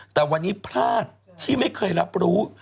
แต่วันนี้พลาดที่ไม่เคยรับรู้